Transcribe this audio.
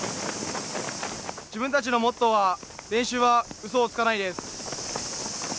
自分たちのモットーは「練習はうそをつかない」です。